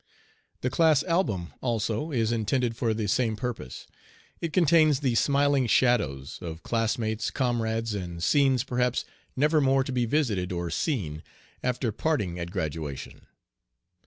The class album also is intended for the same purpose. It contains the "smiling shadows" of classmates, comrades, and scenes perhaps never more to be visited or seen after parting at graduation.